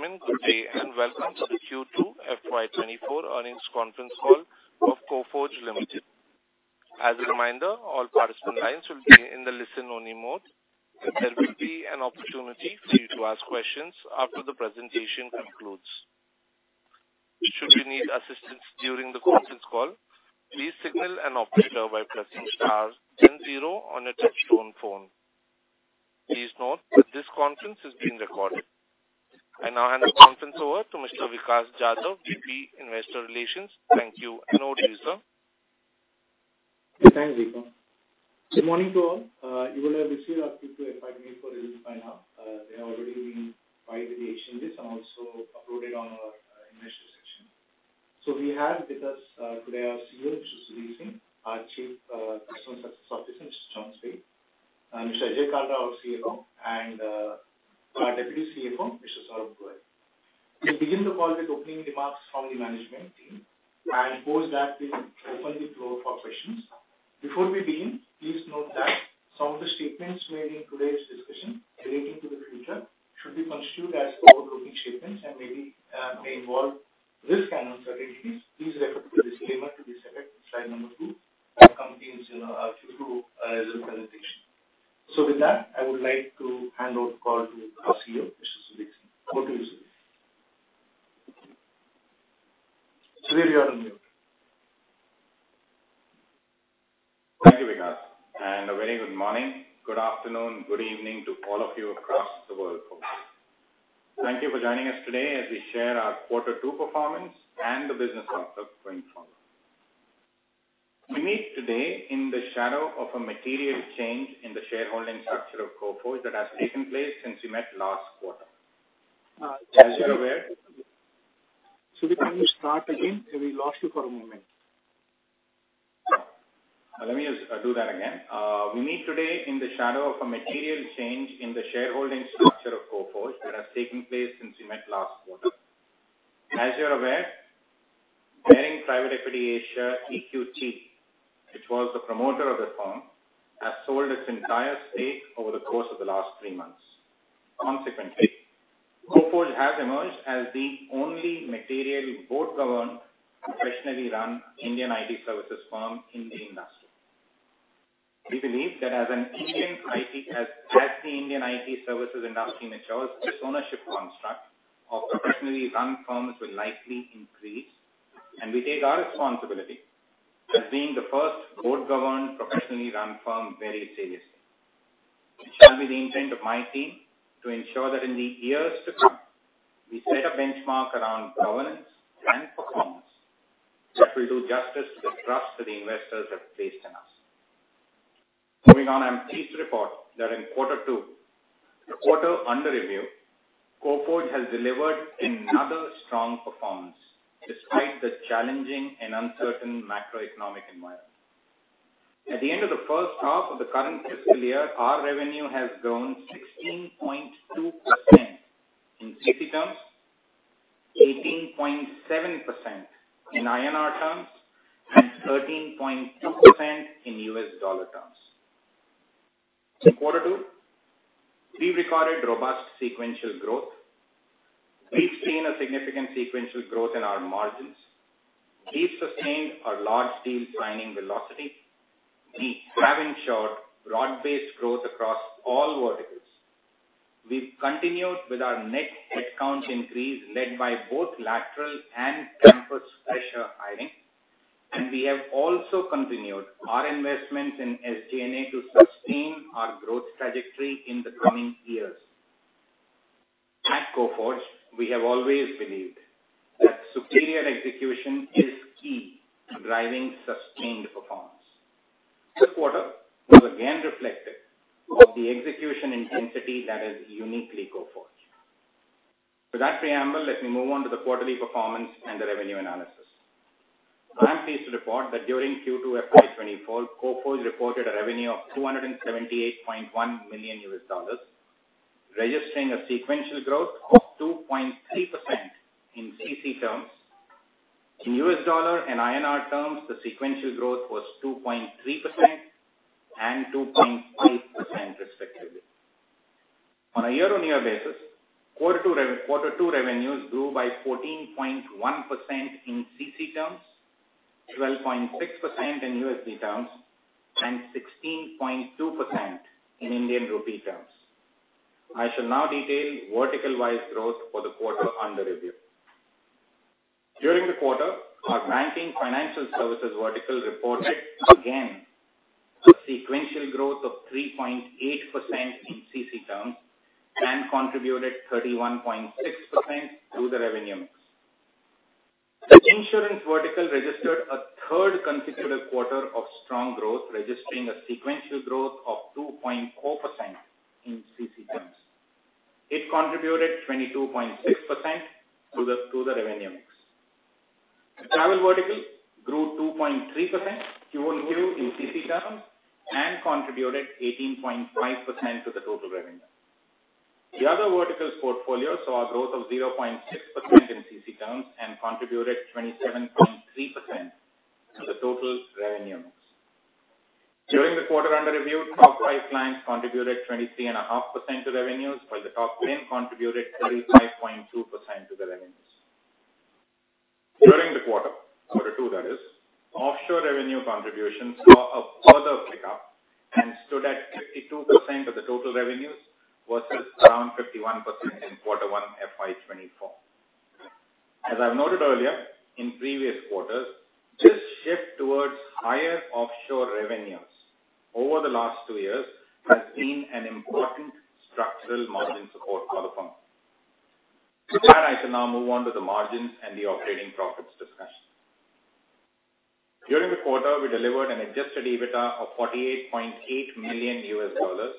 Ladies and gentlemen, good day, and welcome to the Q2 FY 2024 Earnings Conference Call of Coforge Limited. As a reminder, all participant lines will be in the listen-only mode. There will be an opportunity for you to ask questions after the presentation concludes. Should you need assistance during the conference call, please signal an operator by pressing star then zero on your touch-tone phone. Please note that this conference is being recorded. I now hand the conference over to Mr. Vikas Jadhav, VP, Investor Relations. Thank you, and over to you, sir. Thanks, Vikram. Good morning to all. You will have received our Q2 FY 2024 by now. They have already been filed with the agencies and also uploaded on our investor section. So we have with us today our CEO, Mr. Sudhir Singh, our Chief Customer Success Officer, Mr. John Speight, and Mr. Ajay Kalra, our CFO, and our Deputy CFO, Mr. Saurabh Goel. We begin the call with opening remarks from the management team, and post that we will open the floor for questions. Before we begin, please note that some of the statements made in today's discussion relating to the future should be constituted as forward-looking statements and maybe may involve risk and uncertainties. Please refer to the disclaimer to be set at slide number 2, that comes in our Q2 result presentation. With that, I would like to hand over the call to our CEO, Mr. Sudhir Singh. Over to you, Sudhir. Sudhir, you are on mute. Thank you, Vikas, and a very good morning, good afternoon, good evening to all of you across the world. Thank you for joining us today as we share our quarter two performance and the business outlook going forward. We meet today in the shadow of a material change in the shareholding structure of Coforge that has taken place since we met last quarter. As you're aware- Sudhir, can you start again? We lost you for a moment. Let me just do that again. We meet today in the shadow of a material change in the shareholding structure of Coforge that has taken place since we met last quarter. As you're aware, Baring Private Equity Asia, EQT, which was the promoter of the firm, has sold its entire stake over the course of the last three months. Consequently, Coforge has emerged as the only material board-governed, professionally run Indian IT services firm in the industry. We believe that as the Indian IT services industry matures, this ownership construct of professionally run firms will likely increase, and we take our responsibility as being the first board-governed, professionally run firm very seriously. It shall be the intent of my team to ensure that in the years to come, we set a benchmark around governance and performance, which will do justice to the trust that the investors have placed in us. Moving on, I'm pleased to report that in quarter two, the quarter under review, Coforge has delivered another strong performance despite the challenging and uncertain macroeconomic environment. At the end of the first half of the current fiscal year, our revenue has grown 16.2% in CC terms, 18.7% in INR terms, and 13.2% in US dollar terms. In quarter two, we recorded robust sequential growth. We've seen a significant sequential growth in our margins. We've sustained our large deal signing velocity. We have ensured broad-based growth across all verticals. We've continued with our net headcount increase, led by both lateral and campus fresher hiring, and we have also continued our investments in SG&A to sustain our growth trajectory in the coming years. At Coforge, we have always believed that superior execution is key to driving sustained performance. This quarter was again reflective of the execution intensity that is uniquely Coforge. With that preamble, let me move on to the quarterly performance and the revenue analysis. I'm pleased to report that during Q2 FY 2024, Coforge reported a revenue of $278.1 million, registering a sequential growth of 2.3% in CC terms. In US dollar and INR terms, the sequential growth was 2.3% and 2.8%, respectively. On a year-on-year basis, quarter two revenues grew by 14.1% in CC terms, 12.6% in USD terms, and 16.2% in Indian Rupee terms. I shall now detail vertical-wise growth for the quarter under review. During the quarter, our banking and financial services vertical reported again a sequential growth of 3.8% in CC terms and contributed 31.6% to the revenue mix. The insurance vertical registered a third consecutive quarter of strong growth, registering a sequential growth of 2.4% in CC terms. It contributed 22.6% to the revenue mix. The travel vertical grew 2.3% QOQ in CC terms and contributed 18.5% to the total revenue. The other verticals portfolio saw a growth of 0.6% in CC terms and contributed 27.3% to the total revenue. During the quarter under review, top five clients contributed 23.5% to revenues, while the top ten contributed 35.2% to the revenues. During the quarter, quarter two that is, offshore revenue contributions saw a further pickup and stood at 52% of the total revenues, versus around 51% in Q1, FY 2024. As I've noted earlier, in previous quarters, this shift towards higher offshore revenues over the last two years has been an important structural margin support for the firm. With that, I shall now move on to the margins and the operating profits discussion. During the quarter, we delivered an adjusted EBITDA of $48.8 million US dollars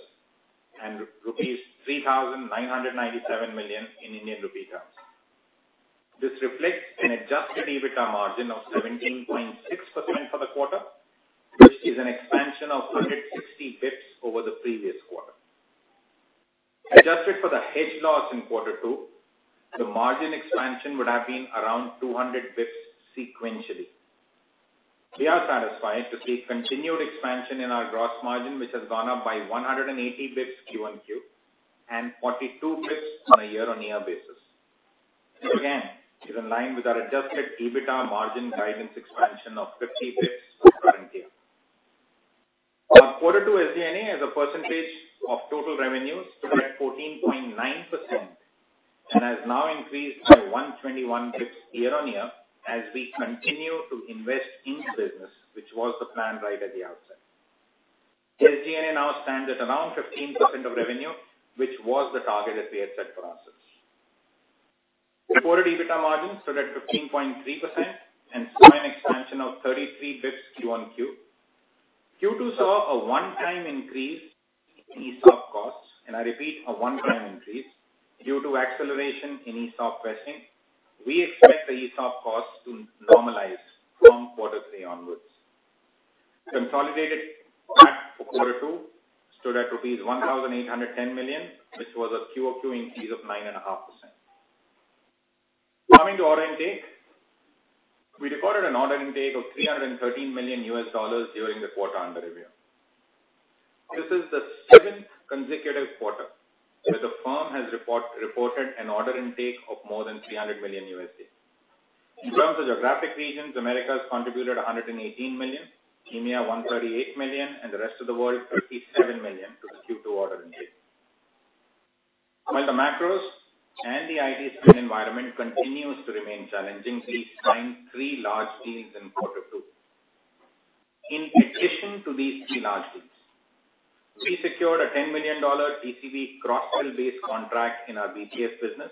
and rupees 3,997 million in Indian rupee terms. This reflects an adjusted EBITDA margin of 17.6% for the quarter, which is an expansion of 160 bps over the previous quarter. Adjusted for the hedge loss in quarter two, the margin expansion would have been around 200 bps sequentially. We are satisfied to see continued expansion in our gross margin, which has gone up by 180 bps Q-o-Q, and 42 bps on a year-on-year basis. Again, is in line with our adjusted EBITDA margin guidance expansion of 50 bps for current year. Our Q2 SG&A, as a percentage of total revenues, stood at 14.9% and has now increased by 121 basis points year-on-year as we continue to invest in the business, which was the plan right at the outset. SG&A now stands at around 15% of revenue, which was the target that we had set for ourselves. Q2 EBITDA margin stood at 15.3% and saw an expansion of 33 basis points QoQ. Q2 saw a one-time increase in ESOP costs, and I repeat, a one-time increase due to acceleration in ESOP vesting. We expect the ESOP costs to normalize from quarter three onwards. Consolidated tax for quarter two stood at rupees 1,810 million, which was a QoQ increase of 9.5%. Coming to order intake. We recorded an order intake of $313 million during the quarter under review. This is the seventh consecutive quarter where the firm has reported an order intake of more than $300 million. In terms of geographic regions, Americas contributed $118 million, EMEA, $138 million, and the rest of the world, $57 million to the Q2 order intake. While the macros and the IT spend environment continues to remain challenging, we signed three large deals in quarter two. In addition to these three large deals, we secured a $10 million TCV cross-sell based contract in our BPS business,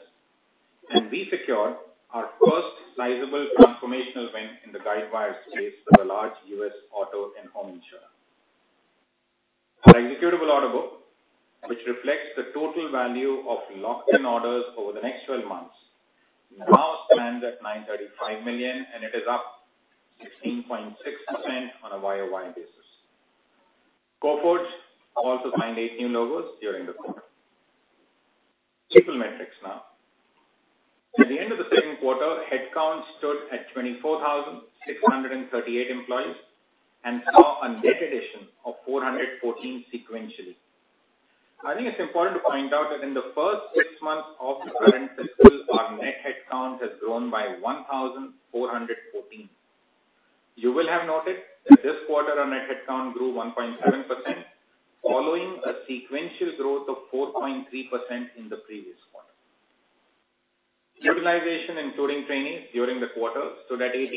and we secured our first sizable transformational win in the Guidewire space for a large U.S. auto and home insurer. Our executable order book, which reflects the total value of locked-in orders over the next twelve months, now stands at $935 million, and it is up 16.6% on a YOY basis. Coforge also signed eight new logos during the quarter. People metrics now. At the end of the second quarter, headcount stood at 24,638 employees and saw a net addition of 414 sequentially. I think it's important to point out that in the first six months of the current fiscal, our net headcount has grown by 1,414. You will have noted that this quarter, our net headcount grew 1.7%, following a sequential growth of 4.3% in the previous quarter. Utilization, including training during the quarter, stood at 80%,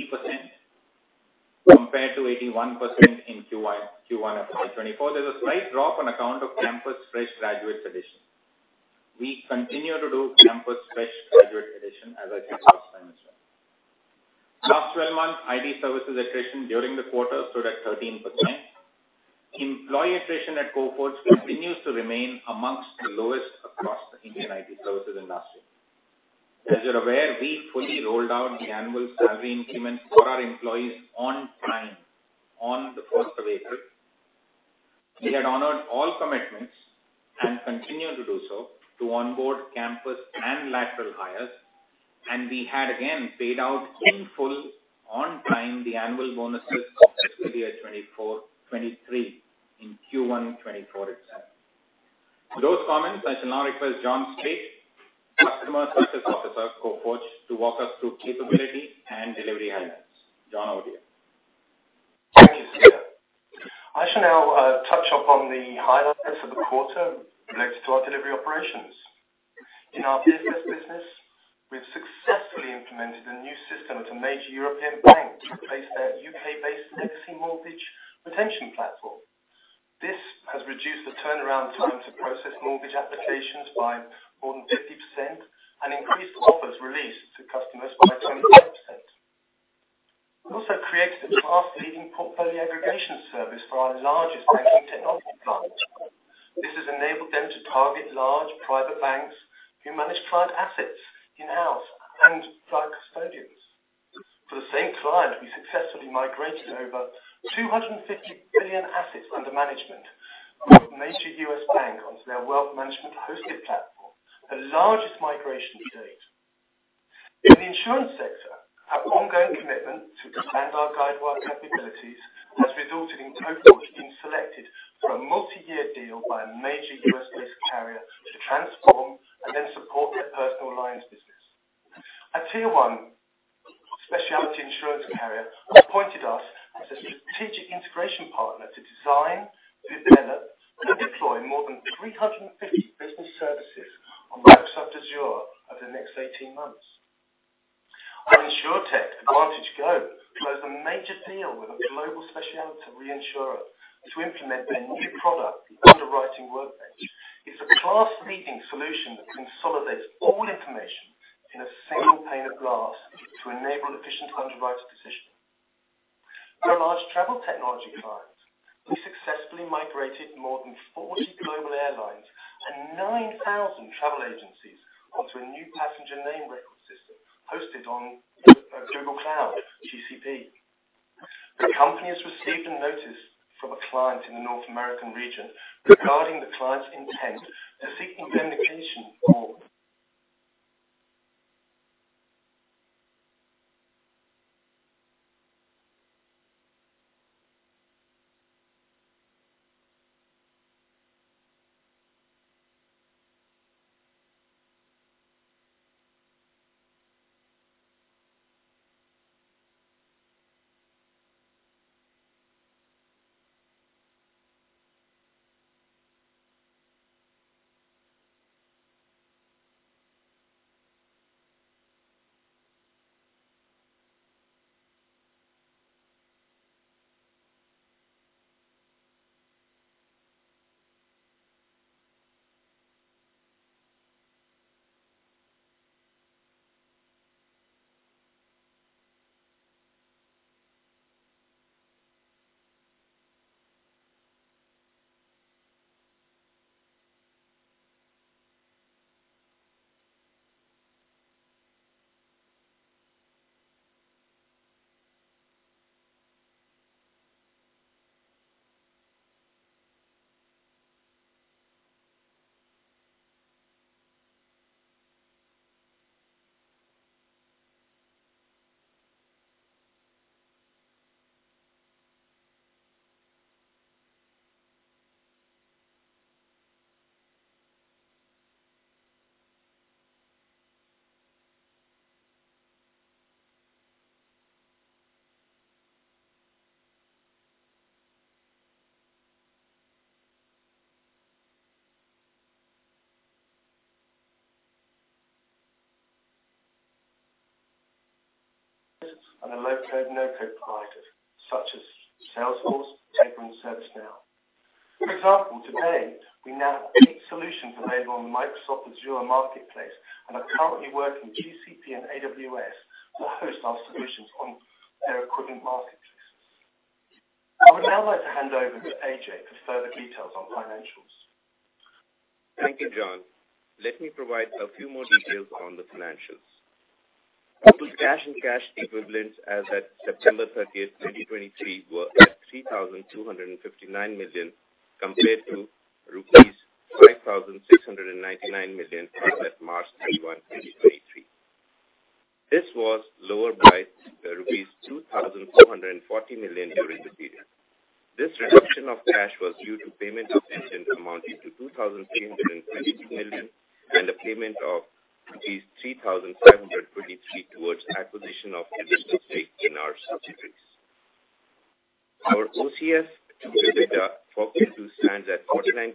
compared to 81% in Q1 of FY 2024. There's a slight drop on account of campus fresh graduates addition. We continue to do campus fresh graduate addition, as I said last time as well. Last 12 months, IT services attrition during the quarter stood at 13%. Employee attrition at Coforge continues to remain amongst the lowest across the Indian IT services industry. As you're aware, we fully rolled out the annual salary increments for our employees on time, on April 4. We had honored all commitments and continue to do so to onboard campus and lateral hires, and we had again paid out in full, on time, the annual bonuses for fiscal year 2024, 2023 in Q1 2024 itself. With those comments, I shall now request John Speight, Chief Customer Success Officer, Coforge, to walk us through capability and delivery highlights. John, over to you. Thank you, Sudhir. I shall now touch upon the highlights of the quarter related to our delivery operations. In our BPS business, we've successfully implemented a new system at a major European bank to replace their UK-based legacy mortgage retention platform. This has reduced the turnaround time to process mortgage applications by more than 50% and increased offers released to customers by 25%. We also created a class-leading portfolio aggregation service for our largest banking technology client. This has enabled them to target large private banks who manage client assets in-house and via custodians. For the same client, we successfully migrated over $250 billion assets under management with a major US bank onto their wealth management hosted platform, the largest migration to date. insurance sector, our ongoing commitment to expand our Guidewire capabilities has resulted in Coforge being selected for a multi-year deal by a major U.S.-based carrier to transform and then support their personal lines business. A tier one specialty insurance carrier appointed us as a strategic integration partner to design, develop, and deploy more than 350 business services on Microsoft Azure over the next 18 months. Our Insurtech, AdvantageGo, closed a major deal with a global specialty reinsurer to implement their new product, Underwriting Workbench. It's a class-leading solution that consolidates all information in a single pane of glass to enable efficient underwriter decision. For a large travel technology client, we successfully migrated more than 40 global airlines and 9,000 travel agencies onto a new Passenger Name Record system hosted on Google Cloud, GCP. The company has received a notice from a client in the North America region regarding the client's intent to seek indemnification for- On low-code, no-code providers such as Salesforce, Tableau, and ServiceNow. For example, today, we now have eight solutions available on the Microsoft Azure marketplace and are currently working with GCP and AWS to host our solutions on their equivalent marketplaces. I would now like to hand over to Ajay for further details on financials. Thank you, John. Let me provide a few more details on the financials. Total cash and cash equivalents as at September 30, 2023, were at 3,259 million, compared to rupees 5,699 million as at March 31, 2023. This was lower by rupees 2,240 million during the period. This reduction of cash was due to payment of dividend amounting to 2,322 million, and a payment of rupees 3,723 towards acquisition of additional stake in our subsidiaries. Our OCF to EBITDA for Q2 stands at 49%,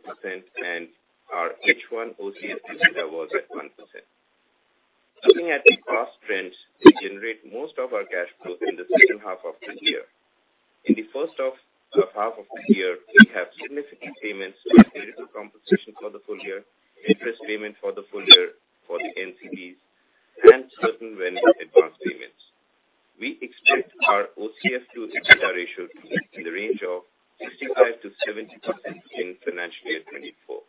and our H1 OCF to EBITDA was at 1%. Looking at the cost trends, we generate most of our cash flow in the second half of the year. In the first half of the year, we have significant payments for the annual compensation for the full-year, interest payment for the full-year for the NCDs, and certain vendor advanced payments. We expect our OCF to EBITDA ratio to be in the range of 65%-70% in financial year 2024.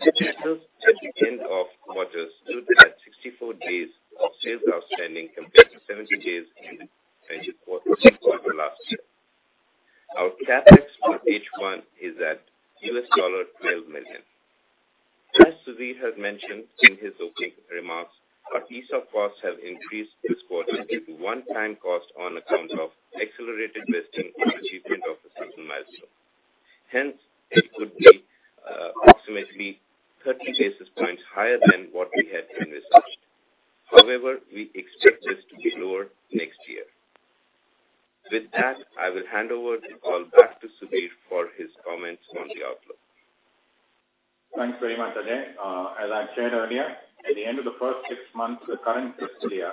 Our days sales outstanding at the end of the quarter stood at 64 days of sales outstanding compared to 70 days in 2024 last year. Our CapEx for H1 is at $12 million. As Sudhir has mentioned in his opening remarks, our SG&A costs have increased this quarter due to one-time cost on account of accelerated vesting and achievement of a certain milestone. Hence, it could be approximately 30 basis points higher than what we had in this year. However, we expect this to be lower next year. With that, I will hand over the call back to Sudhir for his comments on the outlook. Thanks very much, Ajay. As I said earlier, at the end of the first six months of the current fiscal year,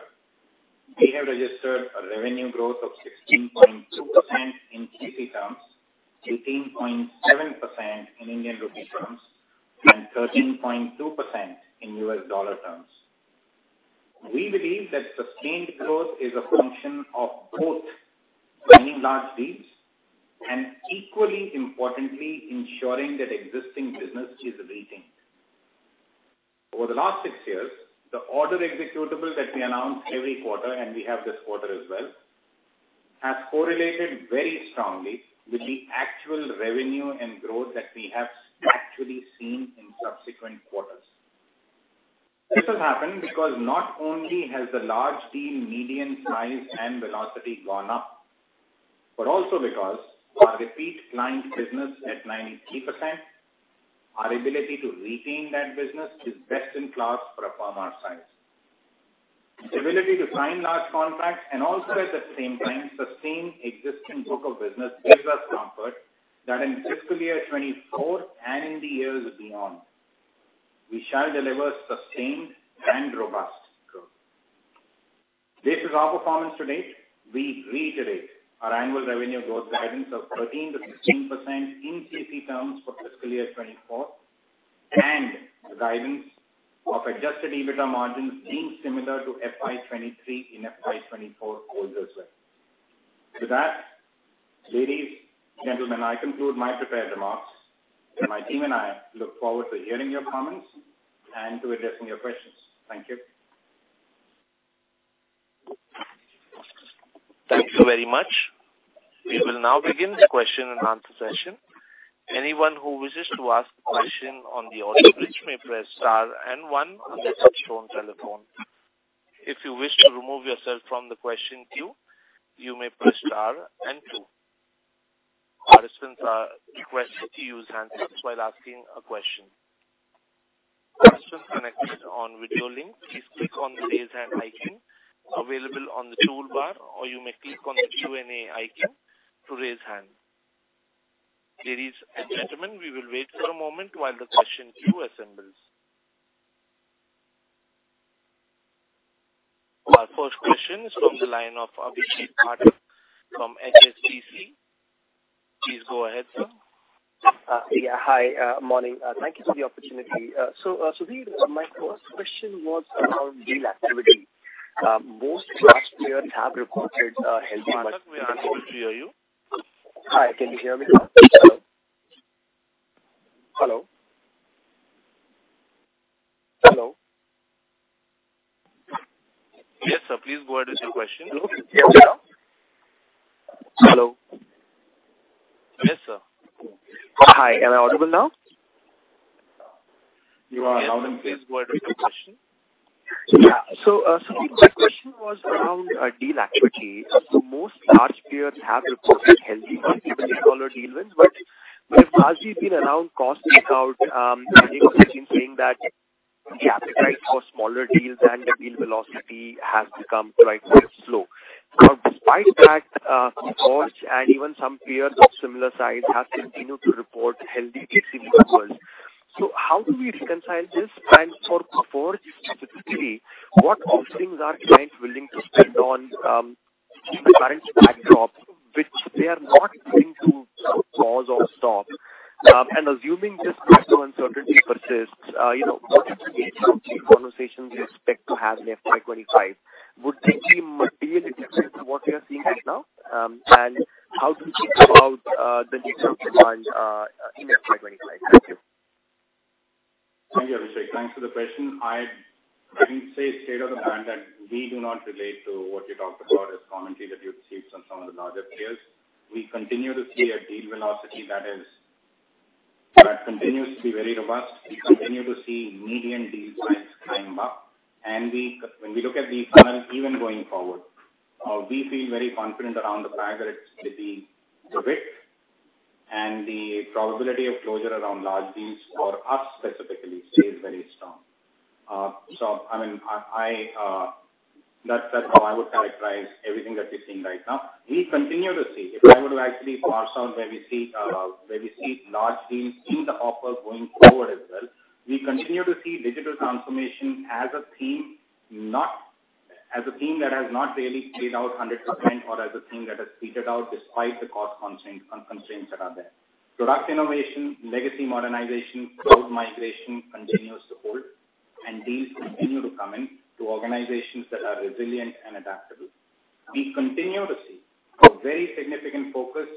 we have registered a revenue growth of 16.2% in CC terms, 18.7% in Indian rupee terms, and 13.2% in US dollar terms. We believe that sustained growth is a function of both winning large deals and equally importantly, ensuring that existing business is retained. Over the last six years, the order executable that we announce every quarter, and we have this quarter as well, has correlated very strongly with the actual revenue and growth that we have actually seen in subsequent quarters. This has happened because not only has the large deal median size and velocity gone up, but also because our repeat client business at 93%, our ability to retain that business is best in class for a firm our size. The ability to sign large contracts and also at the same time sustain existing book of business, gives us comfort that in fiscal year 2024 and in the years beyond, we shall deliver sustained and robust growth. This is our performance to date. We reiterate our annual revenue growth guidance of 13%-16% in CC terms for fiscal year 2024, and the guidance of adjusted EBITDA margins being similar to FY 2023 and FY 2024 also as well. With that, ladies, gentlemen, I conclude my prepared remarks, and my team and I look forward to hearing your comments and to addressing your questions. Thank you. Thank you very much. We will now begin the question and answer session. Anyone who wishes to ask a question on the audio bridge may press star and one on their touch-tone telephone. If you wish to remove yourself from the question queue, you may press star and two. Participants are requested to use handsets while asking a question. Participants connected on video link, please click on the Raise Hand icon available on the toolbar, or you may click on the Q&A icon to raise hand. Ladies and gentlemen, we will wait for a moment while the question queue assembles. Our first question is from the line of Abhishek Pathak from HSBC. Please go ahead, sir. Yeah. Hi, morning. Thank you for the opportunity. So, Sudhir, my first question was around deal activity. Most large players have reported healthy- We are unable to hear you. Hi, can you hear me? Hello? Hello? Yes, sir, please go ahead with your question. Hello? Hello. Yes, sir. Hi, am I audible now? You are audible. Please go ahead with your question. Yeah. So, Sudhir, my question was around deal activity. So most large players have reported healthy multi-billion-dollar deal wins, but as we've been around cost takeout, saying that the appetite for smaller deals and the deal velocity has become quite slow. Now, despite that, Coforge and even some players of similar size have continued to report healthy deal wins. So how do we reconcile this? And for Coforge specifically, what offerings are clients willing to spend on, current backdrop, which they are not going to pause or stop? And assuming this macro uncertainty persists, you know, what type of conversations you expect to have in FY 2025? Would they be material to what we are seeing right now? And how do you think about the need of demand in FY 2025? Thank you. Thank you, Abhishek. Thanks for the question. I can say state of the brand that we do not relate to what you talked about as commentary that you've received from some of the larger players. We continue to see a deal velocity that continues to be very robust. We continue to see median deal size climb up, and when we look at the funnel even going forward, we feel very confident around the fact that it's going to be terrific, and the probability of closure around large deals for us specifically stays very strong. So I mean, that's how I would characterize everything that we're seeing right now. We continue to see, if I were to actually parse out where we see where we see large deals in the order going forward as well, we continue to see digital transformation as a theme, not as a theme that has not really played out 100% or as a theme that has petered out despite the cost constraints that are there. Product innovation, legacy modernization, cloud migration continues to hold, and deals continue to come in to organizations that are resilient and adaptable. We continue to see a very significant focus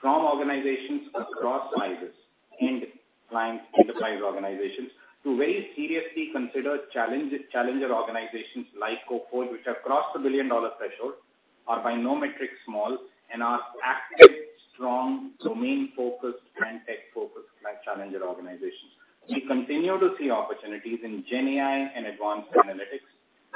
from organizations across sizes and client enterprise organizations to very seriously consider challenger organizations like Coforge, which have crossed a billion-dollar threshold, are by no metric small and are active, strong, domain-focused, and tech-focused challenger organizations. We continue to see opportunities in GenAI and advanced analytics.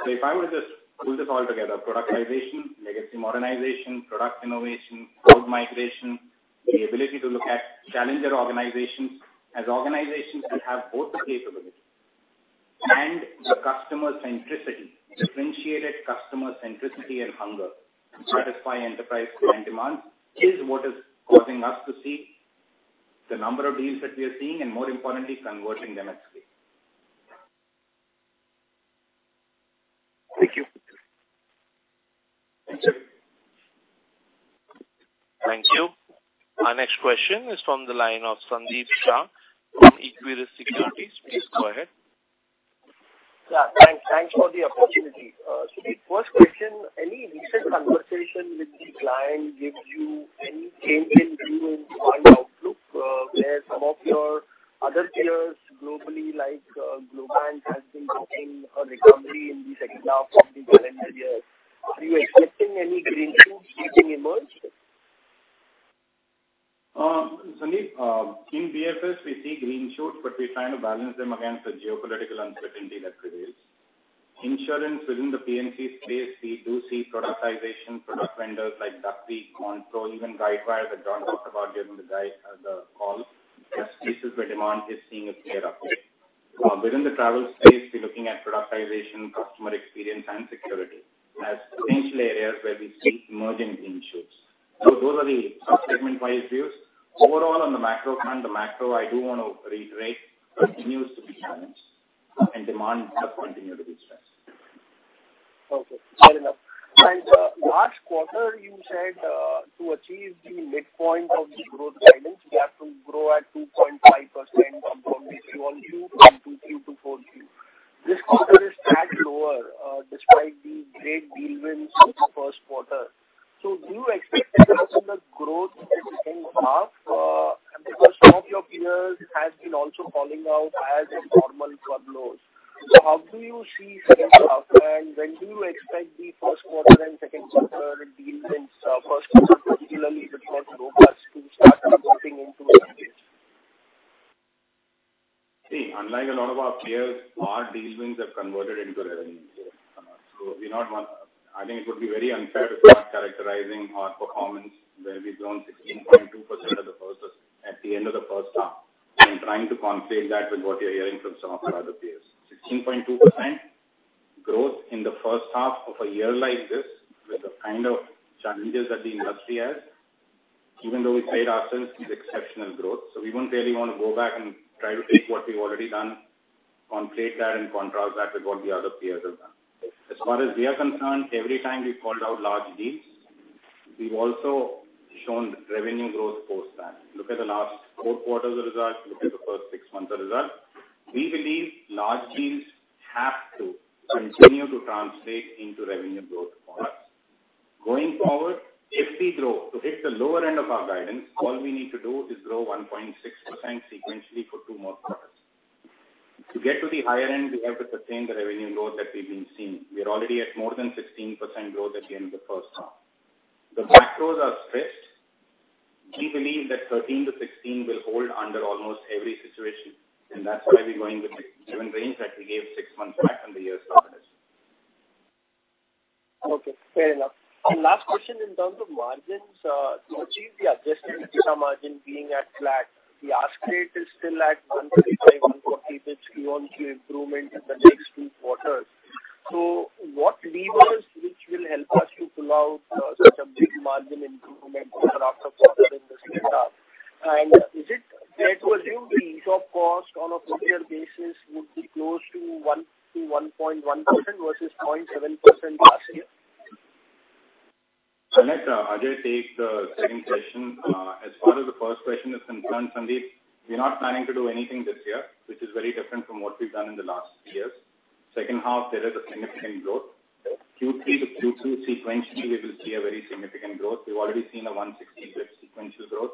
So if I were to just put this all together, productization, legacy modernization, product innovation, cloud migration, the ability to look at challenger organizations as organizations that have both the capabilities and the customer centricity, differentiated customer centricity and hunger to satisfy enterprise client demand, is what is causing us to see the number of deals that we are seeing, and more importantly, converting them at scale. Thank you. Thank you. Thank you. Our next question is from the line of Sandeep Shah from Equirus Securities. Please go ahead. Yeah, thanks. Thanks for the opportunity. So the first question, any recent conversation with the client gives you any change in view on outlook?... some of your other peers globally, like, Globant has been booking a recovery in the second half of the current year. Are you expecting any green shoots getting emerged? Sandeep, in BFS, we see green shoots, but we're trying to balance them against the geopolitical uncertainty that prevails. Insurance within the P&C space, we do see productization, product vendors like Duck Creek, Conpro, even Guidewire, that John talked about during the Guidewire, the call. Yes, this is where demand is seeing a clear up. Within the travel space, we're looking at productization, customer experience, and security as potential areas where we see emerging green shoots. So those are the sub-segment-wise views. Overall, on the macro front, the macro, I do want to reiterate, continues to be challenged and demand will continue to be stressed. Okay, fair enough. And last quarter, you said to achieve the midpoint of the growth guidance, you have to grow at 2.5% from this Q1 view from Q2 to Q4. This quarter is tagged lower despite the great deal wins in the first quarter. So do you expect the customer growth in second half? Because some of your peers has been also calling out as a normal furloughs. So how do you see second half, and when do you expect the first quarter and second quarter deal wins, first quarter, particularly, the short robust to start converting into revenues? See, unlike a lot of our peers, our deal wins have converted into revenues. So we're not one, I think it would be very unfair to start characterizing our performance, where we've grown 16.2% of the first at the end of the first half, and trying to conflate that with what you're hearing from some of our other peers. 16.2% growth in the first half of a year like this, with the kind of challenges that the industry has, even though we paid ourselves, is exceptional growth. So we wouldn't really want to go back and try to take what we've already done, conflate that, and contrast that with what the other peers have done. As far as we are concerned, every time we've called out large deals, we've also shown revenue growth post that. Look at the last four quarters of results. Look at the first six months of results. We believe large deals have to continue to translate into revenue growth for us. Going forward, if we grow to hit the lower end of our guidance, all we need to do is grow 1.6% sequentially for two more quarters. To get to the higher end, we have to sustain the revenue growth that we've been seeing. We're already at more than 16% growth at the end of the first half. The backlogs are stressed. We believe that 13%-16% will hold under almost every situation, and that's why we're going with the given range that we gave six months back when the year started. Okay, fair enough. And last question, in terms of margins, to achieve the adjusted EBITDA margin being at flat, the ask rate is still at 1.5, 1.3, with Q on Q improvement in the next two quarters. So what levers which will help us to pull out, such a big margin improvement over the quarter in this year? And is it fair to assume the ESOP cost on a full-year basis would be close to 1%-1.1% versus 0.7% last year? So, let Ajay take the second question. As far as the first question is concerned, Sandeep, we're not planning to do anything this year, which is very different from what we've done in the last years. Second half, there is a significant growth. Q3 to Q2 sequentially, we will see a very significant growth. We've already seen a 160 sequential growth.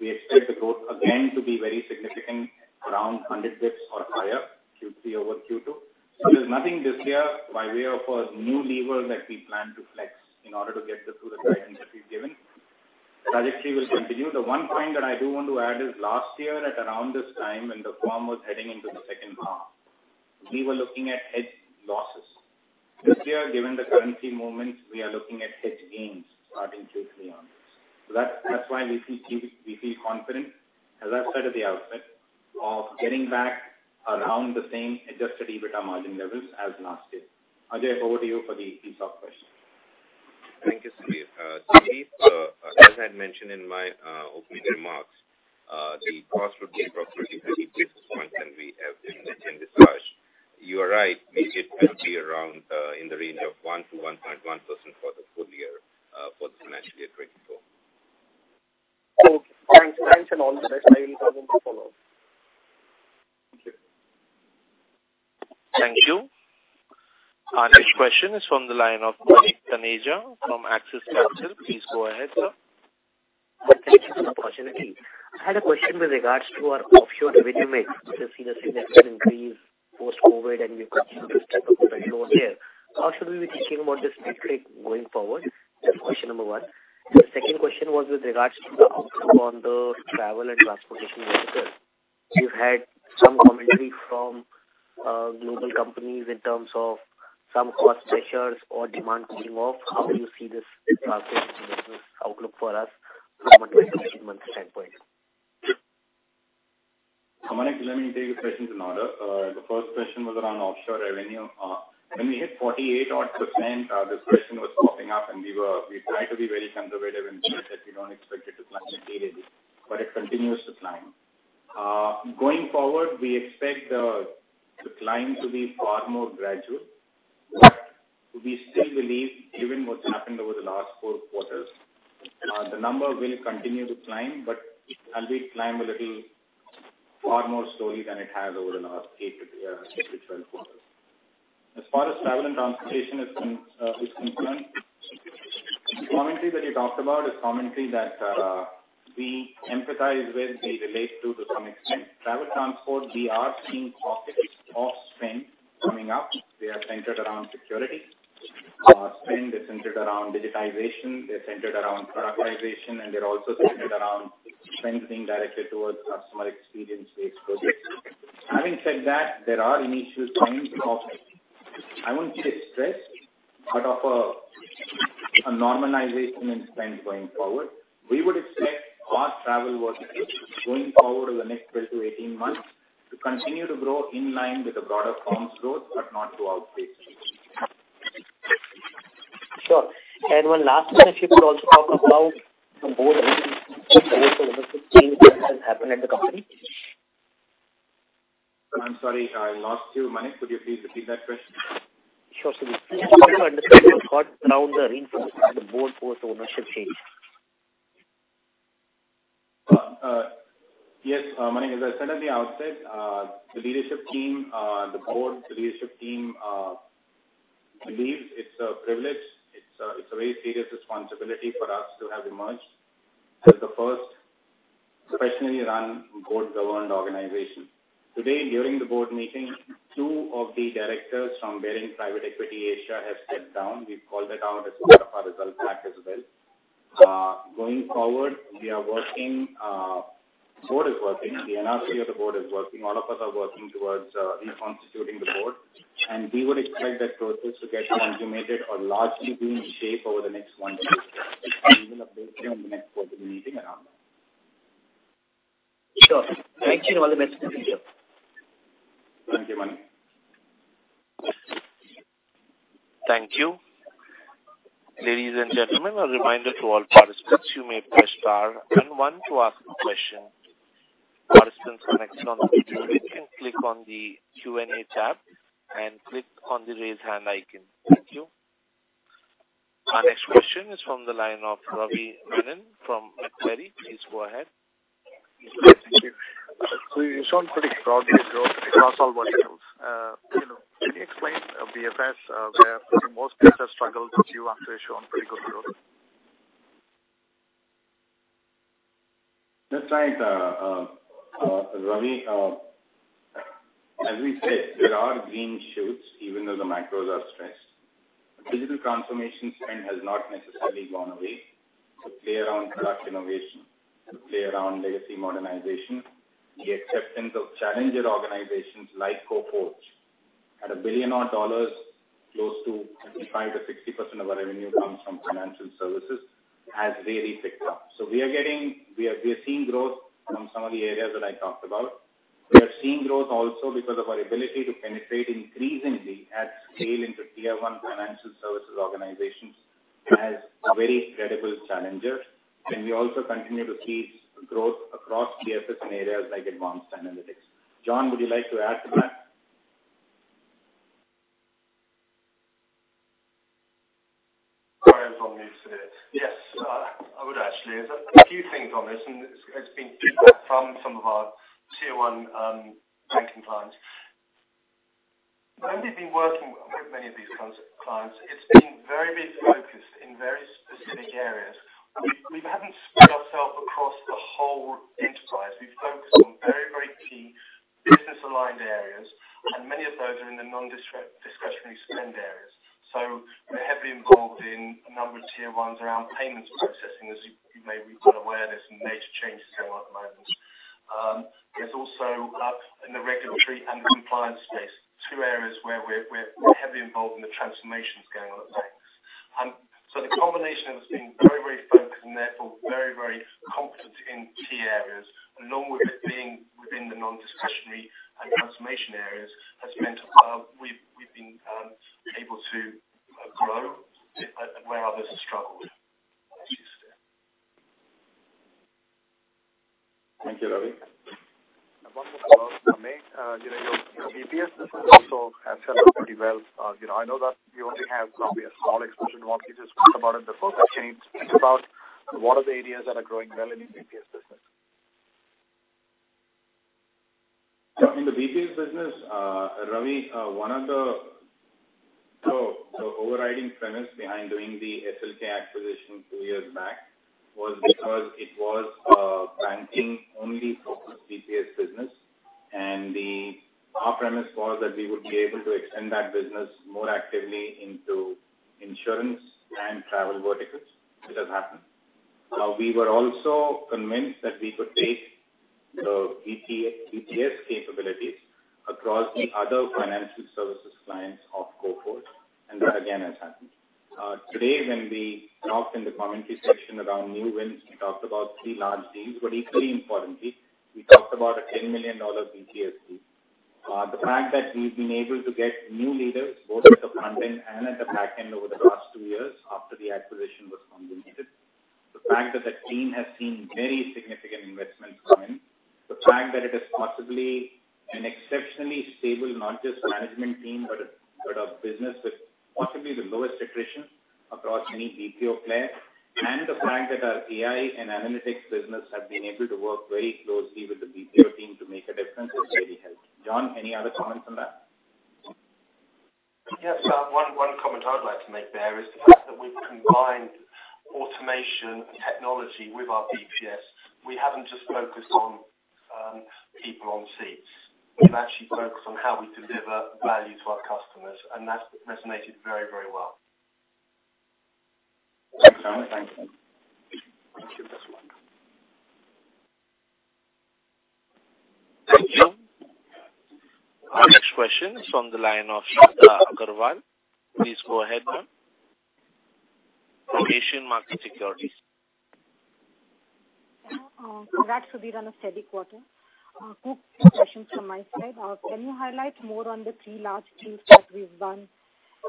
We expect the growth again to be very significant, around 100 basis points or higher, Q3 over Q2. So there's nothing this year by way of a new lever that we plan to flex in order to get to the guidance that we've given. Prospectively will continue. The one point that I do want to add is last year, at around this time, when the firm was heading into the second half, we were looking at hedge losses. This year, given the currency movements, we are looking at hedge gains starting Q3 on. So that's, that's why we feel, we feel confident, as I said at the outset, of getting back around the same adjusted EBITDA margin levels as last year. Ajay, over to you for the ESOP question. Thank you, Sandeep. Sandeep, as I had mentioned in my opening remarks, the cost would be approximately 30 basis points, and we have discussed. You are right, we hit 30 around in the range of 1%-1.1% for the full-year, for the financial year 2024. Okay. Thanks, thanks, and all the best. I will come in to follow up. Thank you. Thank you. Our next question is from the line of Manik Taneja from Axis Capital. Please go ahead, sir. Thank you for the opportunity. I had a question with regards to our offshore revenue mix. We've seen a significant increase post-COVID, and we've got this type of growth here. How should we be thinking about this metric going forward? That's question number one. The second question was with regards to the outlook on the travel and transportation sector. You've had some commentary from global companies in terms of some cost pressures or demand coming off. How do you see this target business outlook for us from a 12-month standpoint? Manik, let me take your questions in order. The first question was around offshore revenue. When we hit 48 odd %, this question was popping up and we tried to be very conservative and say that we don't expect it to climb immediately, but it continues to climb. Going forward, we expect the climb to be far more gradual, but we still believe, given what's happened over the last 4 quarters, the number will continue to climb, but it will climb a little far more slowly than it has over the last 8-12 quarters. As far as travel and transportation is concerned. The commentary that you talked about is commentary that we empathize with, we relate to to some extent. Travel transport, we are seeing pockets of spend coming up. They are centered around security. Spend is centered around digitization, they're centered around prioritization, and they're also centered around spend being directed towards customer experience-based projects. Having said that, there are initial signs of, I wouldn't say stress, but of a normalization in spend going forward. We would expect our travel verticals going forward over the next 12-18 months, to continue to grow in line with the broader comps growth, but not to outpace. Sure. One last one, if you could also talk about the board that has happened at the company? I'm sorry, I lost you, Manik. Could you please repeat that question? Sure, sir. Around the reinforcement of the board post-ownership change. Yes, Manik, as I said at the outset, the leadership team, the board, the leadership team, believes it's a privilege. It's a, it's a very serious responsibility for us to have emerged as the first professionally run, board-governed organization. Today, during the board meeting, two of the directors from Baring Private Equity Asia have stepped down. We've called it out as part of our results back as well. Going forward, we are working, the board is working, the NRC of the board is working. All of us are working towards, reconstituting the board, and we would expect that process to get consummated or largely be in shape over the next one year. We will update you on the next board meeting around that. Sure. Thank you very much. Thank you, Manik. Thank you. Ladies and gentlemen, a reminder to all participants, you may press star and one to ask a question. Participants can click on the Q&A tab and click on the Raise Hand icon. Thank you. Our next question is from the line of Ravi Menon from Macquarie. Please go ahead. Thank you. So you've shown pretty strong growth across all verticals. Can you explain BFS, where most people have struggled, but you actually shown pretty good growth? That's right, Ravi, as we said, there are green shoots, even though the macros are stressed. Digital transformation spend has not necessarily gone away to play around product innovation, to play around legacy modernization. The acceptance of challenger organizations like Coforge at a $1 billion-odd, close to 55%-60% of our revenue comes from financial services, has really picked up. So we are seeing growth from some of the areas that I talked about. We are seeing growth also because of our ability to penetrate increasingly at scale into tier one financial services organizations as a very credible challenger. We also continue to see growth across BFS in areas like advanced analytics. John, would you like to add to that? Yes, I would actually. There's a few things on this, and it's been feedback from some of our tier one banking clients. When we've been working with many of these clients, it's been very focused in very specific areas. We haven't spread ourselves across the whole enterprise. We've focused on very, very key business-aligned areas, and many of those are in the non-discretionary spend areas. So we're heavily involved in a number of tier ones around payments processing, as you may be well aware, there's some major changes going on at the moment. There's also in the regulatory and compliance space, two areas where we're heavily involved in the across the other financial services clients of Coforge, and that again has happened. Today, when we talked in the commentary section around new wins, we talked about three large deals, but equally importantly, we talked about a $10 million BPS deal. The fact that we've been able to get new leaders both at the front end and at the back end over the last two years after the acquisition was consummated, the fact that the team has seen very significant investment come in, the fact that it is possibly an exceptionally stable, not just management team, but a, but a business with possibly the lowest attrition across any BPO player, and the fact that our AI and analytics business have been able to work very closely with the BPO team to make a difference, has really helped. John, any other comments on that?... Yes, one comment I'd like to make there is the fact that we've combined automation technology with our BPS. We haven't just focused on people on seats. We've actually focused on how we deliver value to our customers, and that's resonated very, very well. Thank you. Thank you. Thank you. Thank you. Our next question is from the line of Shraddha Agrawal. Please go ahead, ma'am, from Asian Market Securities. Congrats, Sudhir, on a steady quarter. Two questions from my side. Can you highlight more on the 3 large deals that we've done?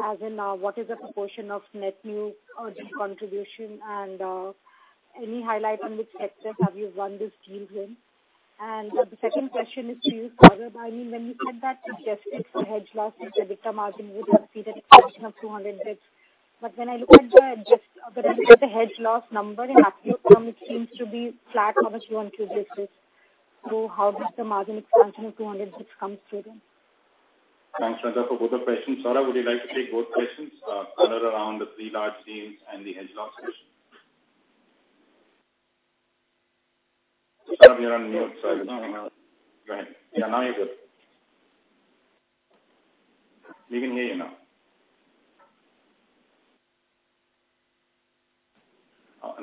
As in, what is the proportion of net new or deal contribution, and any highlight on which sectors have you won this deal in? And the second question is to you, Saurabh. I mean, when you said that you just fixed the hedge loss, which have become margin, we would see the expansion of 200 bps. But when I look at the hedge loss number in absolute term, it seems to be flat quarter-on-Q business. So how does the margin expansion of 200 bps come through then? Thanks, Shraddha, for both the questions. Saurabh, would you like to take both questions, one around the three large deals and the hedge loss question? Saurabh, you're on mute, sorry. Go ahead. Yeah, now you're good. We can hear you now.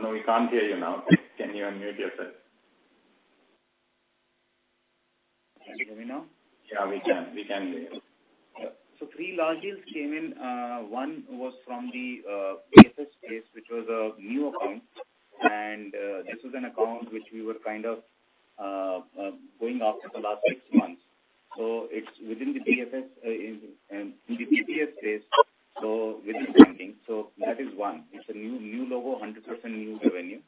No, we can't hear you now. Can you unmute yourself? Can you hear me now? Yeah, we can. We can hear you. So three large deals came in. One was from the BFS space, which was a new account, and this was an account which we were kind of going after the last six months. So it's within the BFS, in, in the BFS space, so within banking. So that is one. It's a new, new logo, 100% new revenue.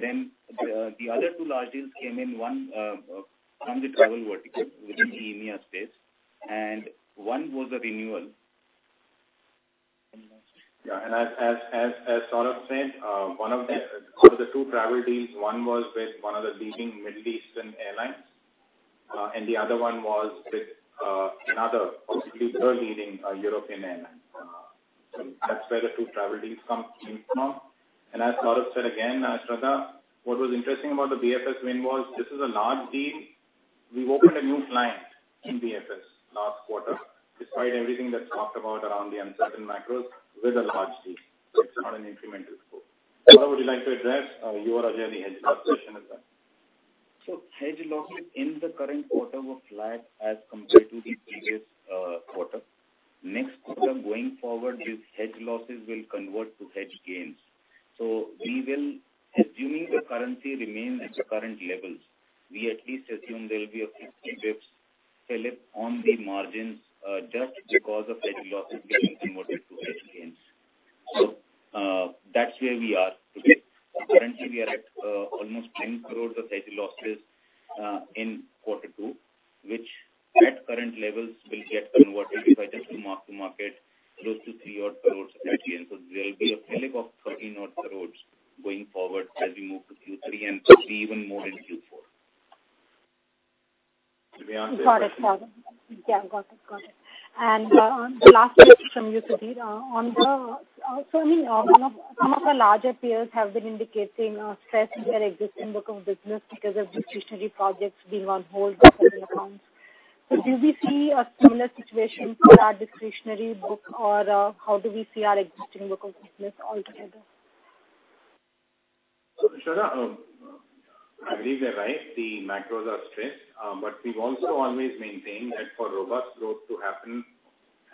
Then the other two large deals came in, one from the travel vertical within the EMEA space, and one was a renewal. Yeah. And as Saurabh said, one of the two travel deals, one was with one of the leading Middle Eastern airlines, and the other one was with another possibly third leading European airline. So that's where the two travel deals came from. And as Saurabh said, again, Shraddha, what was interesting about the BFS win was this is a large deal. We opened a new client in BFS last quarter, despite everything that's talked about around the uncertain macros, with a large deal. It's not an incremental scope. Saurabh, would you like to address your agenda, the hedge loss question as well? So hedge losses in the current quarter were flat as compared to the previous quarter. Next quarter, going forward, these hedge losses will convert to hedge gains. So we will, assuming the currency remain at the current levels, we at least assume there'll be a 50 basis points flip on the margins, just because of hedge losses being converted to hedge gains. So, that's where we are today. Currently, we are at almost 10 crore of hedge losses in quarter two, which at current levels, will get converted by just to mark to market, close to 3 odd crore hedge gains. So there'll be a flip of 13 odd crore going forward as we move to Q3 and could be even more in Q4. To be honest- Got it. Got it. Yeah, got it, got it. And, on the last question from you, Sudhir, on the, certainly, one of, some of our larger peers have been indicating, stress in their existing book of business because of discretionary projects being on hold by certain accounts. So do we see a similar situation for our discretionary book, or, how do we see our existing book of business altogether? So, Shraddha, I believe you're right, the macros are stressed, but we've also always maintained that for robust growth to happen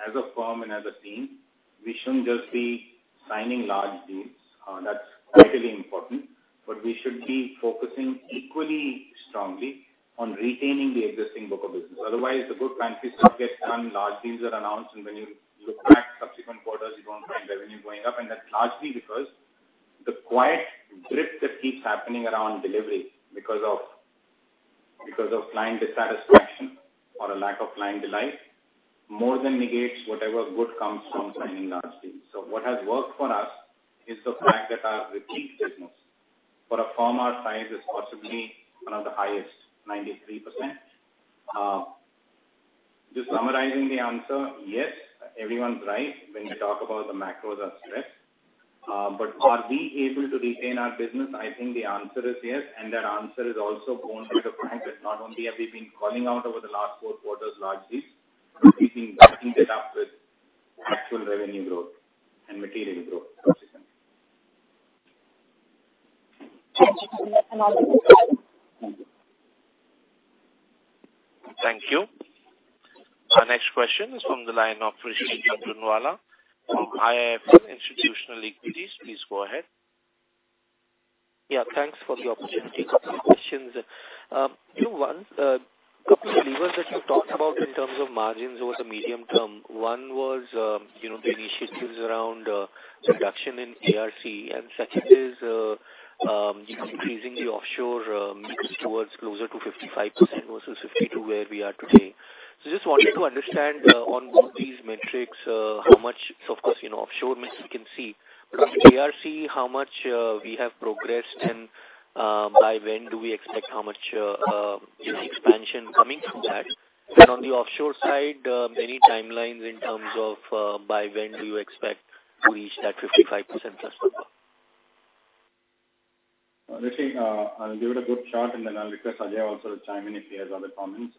as a firm and as a team, we shouldn't just be signing large deals. That's critically important, but we should be focusing equally strongly on retaining the existing book of business. Otherwise, the book fancy stuff gets done, large deals are announced, and when you look back at subsequent quarters, you don't find revenue going up. And that's largely because the quiet drift that keeps happening around delivery, because of client dissatisfaction or a lack of client delight, more than negates whatever good comes from signing large deals. So what has worked for us is the fact that our repeat business for a firm our size is possibly one of the highest, 93%. Just summarizing the answer, yes, everyone's right when you talk about the macros are stressed. But are we able to retain our business? I think the answer is yes, and that answer is also borne by the fact that not only have we been calling out over the last four quarters largely, but we've been backing it up with actual revenue growth and material growth consistently. Thank you. That's another question. Thank you. Thank you. Our next question is from the line of Rishi Jhunjhunwala from IIFL Institutional Equities. Please go ahead. Yeah, thanks for the opportunity. A couple of questions. You know, one, couple of the levers that you talked about in terms of margins over the medium term, one was, you know, the initiatives around, reduction in ARC and second is, increasingly offshore, mix towards closer to 55% versus 52%, where we are today. So just wanted to understand, on both these metrics, how much... Of course, you know, offshore mix, we can see. But on ARC, how much, we have progressed in-... by when do we expect how much, you know, expansion coming from that? Then on the offshore side, any timelines in terms of, by when do you expect to reach that 55% plus? Let me, I'll give it a good shot, and then I'll request Ajay also to chime in if he has other comments.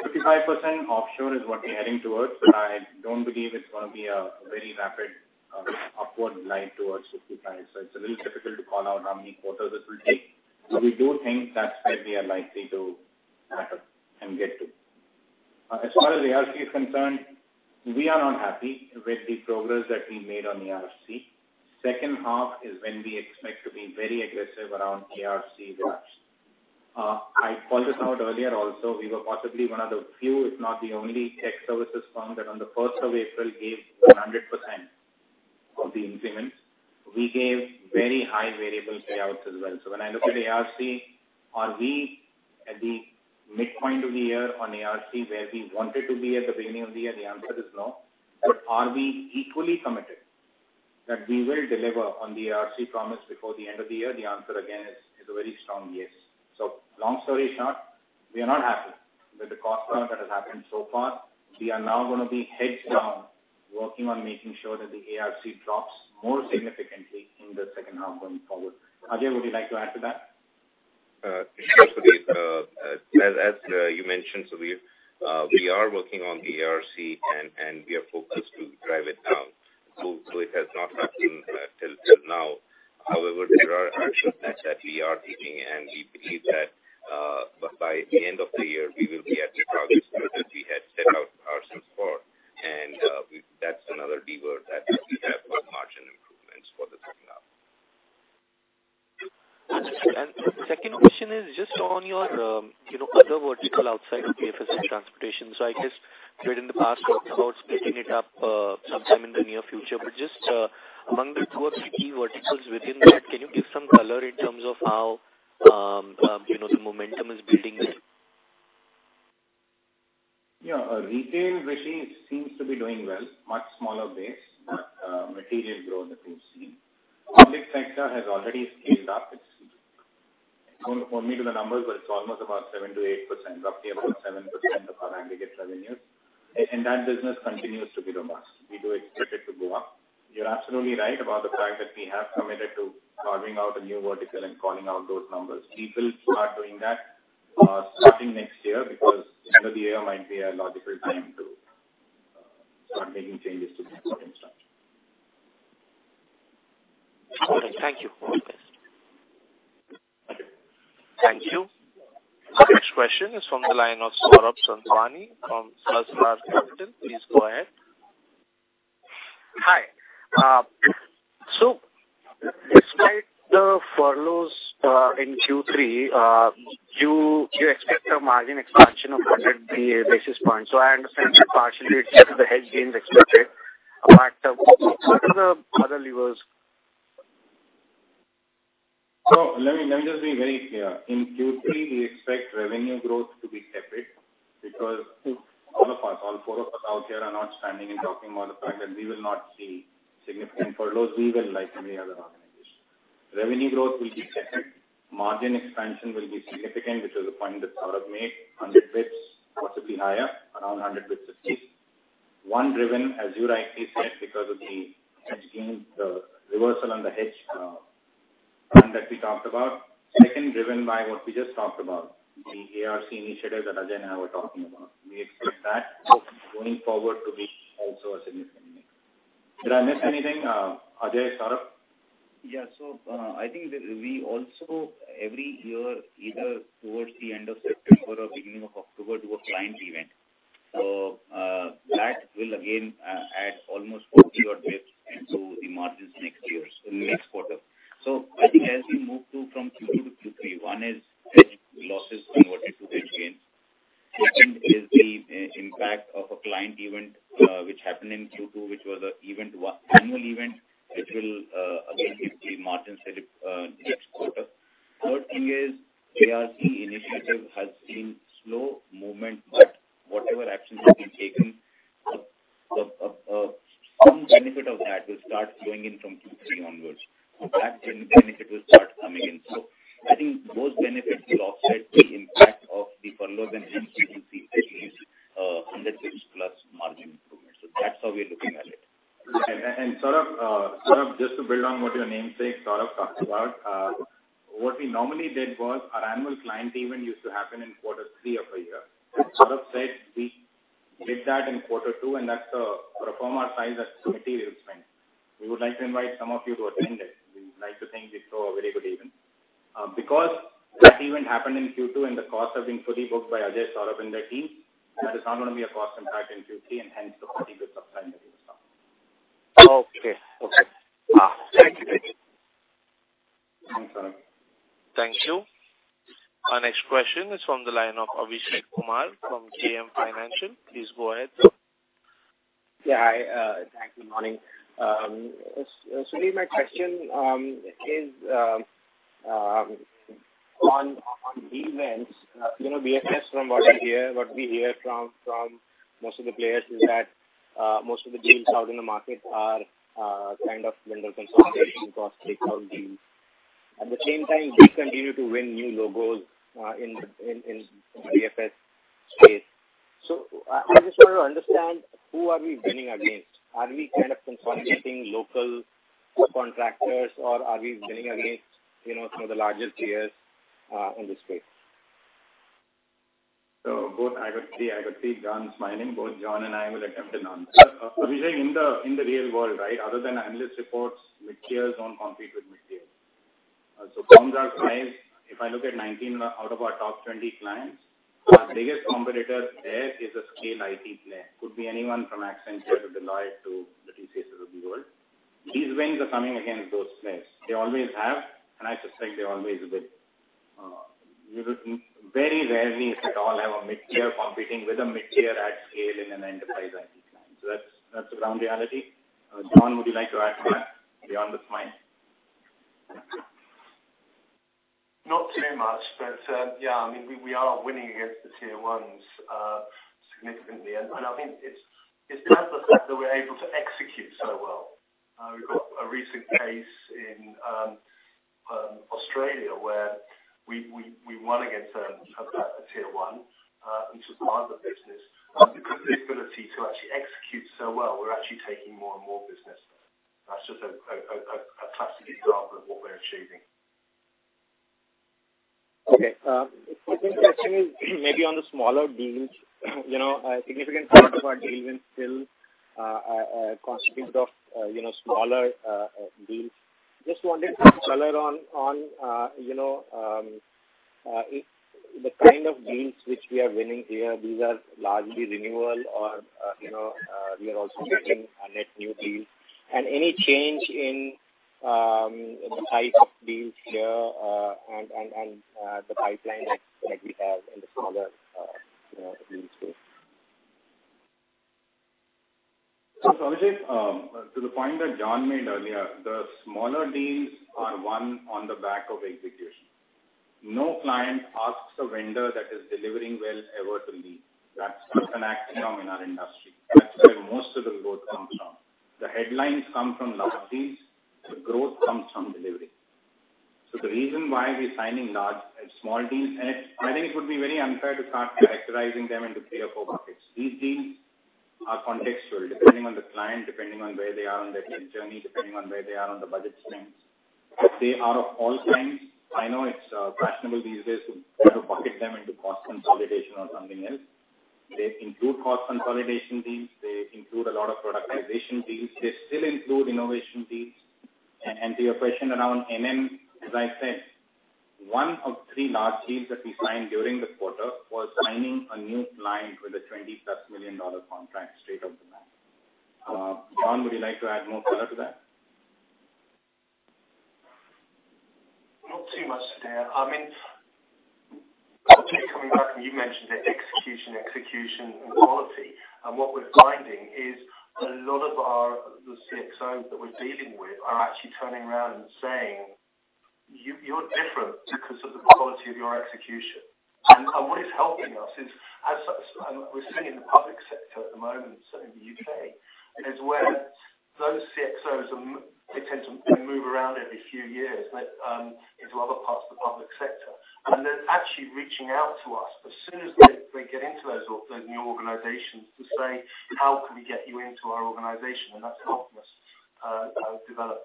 55% offshore is what we're heading towards, but I don't believe it's gonna be a very rapid, upward line towards 55. So it's a little difficult to call out how many quarters it will take. But we do think that's where we are likely to wrap up and get to. As far as ARC is concerned, we are not happy with the progress that we made on the ARC. Second half is when we expect to be very aggressive around ARC drops. I called this out earlier also, we were possibly one of the few, if not the only, tech services firm that on the first of April gave 100% of the increments. We gave very high variable payouts as well. So when I look at ARC, are we at the midpoint of the year on ARC, where we wanted to be at the beginning of the year? The answer is no. But are we equally committed that we will deliver on the ARC promise before the end of the year? The answer again is a very strong yes. So long story short, we are not happy with the cost curve that has happened so far. We are now gonna be heads down, working on making sure that the ARC drops more significantly in the second half going forward. Ajay, would you like to add to that? Sure, Sunil. As you mentioned, Sunil, we are working on the ARC and we are levers? So let me, let me just be very clear. In Q3, we expect revenue growth to be separate because all of us, all four of us out here, are not standing and talking about the fact that we will not see significant furloughs. We will, like any other organization. Revenue growth will be second. Margin expansion will be significant, which is the point that Saurabh made, 100 bips, possibly higher, around 100 bips to 6. One, driven, as you rightly said, because of the hedge gains, the reversal on the hedge, fund that we talked about. Second, driven by what we just talked about, the ARC initiative that Ajay and I were talking about. We expect that going forward to be also a significant lever. Did I miss anything, Ajay, Saurabh? Yeah. So, I think that we also, every year, either towards the end of September or beginning of October, do a client event. So, that will again add almost 40-odd basis points, and so the margins next year, so next quarter. So I think as we move to from Q2 to Q3, one is hedge losses converted to hedge gain. Second is the impact of a client event, which happened in Q2, which was an event, one annual event, which will again hit the margin set up, next quarter. Third thing is, ARC initiative has seen slow movement, but whatever actions have been taken, some benefit of that will start flowing in from Q3 onwards. That benefit will start coming in. So I think those benefits will offset the impact of the furloughs and give us at least 100 basis points+ margin improvement. So that's how we're looking at it. Saurabh, Saurabh, just to build on what your namesake, Saurabh, talked about, what we normally did was, our annual client event used to happen in quarter three of a year. Saurabh said we did that in quarter two, and that's a... For a firm our size, that's a material spend. We would like to invite some of you to attend it. We'd like to think it's a very good event. Because that event happened in Q2 and the cost have been fully booked by Ajay, Saurabh, and the team, that is not gonna be a cost impact in Q3, and hence, the 40 bips of time that we saw. Okay. Okay. Thank you. Thank you. Our next question is from the line of Abhishek Kumar from JM Financial. Please go ahead. Yeah, hi. Thank you. Good morning. Sudhir, my question is on events, you know, BFS. From what I hear, what we hear from most of the players is that most of the deals out in the market are kind of vendor consolidation cost takeout deals. At the same time, we continue to win new logos in BFS space. So I just want to understand, who are we winning against? Are we kind of consolidating local contractors, or are we winning against, you know, some of the larger tiers in this space? So both John and I will attempt to answer. So we say in the real world, right, other than analyst reports, mid-tiers don't compete with mid-tiers. So Coms are high. If I look at 19 out of our top 20 clients, our biggest competitor there is a scale IT player. Could be anyone from Accenture to Deloitte to the TCS of the world. These wins are coming against those players. They always have, and I suspect they always will. You would very rarely, if at all, have a mid-tier competing with a mid-tier at scale in an enterprise IT client. So that's the ground reality. John, would you like to add to that beyond the point? Not too much, but, yeah, I mean, we are winning against the tier ones significantly. And I think it's down to the fact that we're able to execute so well. We've got a recent case in Australia, where we won against a tier one and took part of the business. Because the ability to actually execute so well, we're actually taking more and more business. That's just a classic example of what we're achieving. Okay. Maybe on the smaller deals, you know, a significant part of our deals still constitute of, you know, smaller deals. Just wanted to color on, you know, if the kind of deals which we are winning here, these are largely renewal or, you know, we are also getting a net new deals. And any change in, the type of deals here, and the pipeline that we have in the smaller, you know, deal space. So, Abhijit, to the point that John made earlier, the smaller deals are one on the back of execution. No client asks a vendor that is delivering well ever to leave. That's, that's an axiom in our industry. That's where most of the growth comes from. The headlines come from large deals, the growth comes from delivery. So the reason why we're signing large and small deals, and I think it would be very unfair to start characterizing them into three or four buckets. These deals are contextual, depending on the client, depending on where they are on their journey, depending on where they are on the budget constraints. They are of all kinds. I know it's fashionable these days to bucket them into cost consolidation or something else. They include cost consolidation deals, they include a lot of productization deals, they still include innovation deals. To your question around MM, as I said, one of three large deals that we signed during the quarter was signing a new client with a $20+ million contract straight off the bat. John, would you like to add more color to that? Not too much there. I mean, coming back, and you mentioned the execution and quality. And what we're finding is a lot of our, the CXOs that we're dealing with are actually turning around and saying, "You're different because of the quality of your execution." And what is helping us is, as we're seeing in the public sector at the moment, certainly in the UK, is where those CXOs, they tend to move around every few years, but into other parts of the public sector. And they're actually reaching out to us as soon as they get into those new organizations to say: How can we get you into our organization? And that's helped us develop.